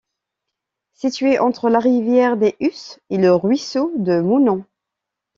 Situé entre la rivière des Usses et le ruisseau de Mounant.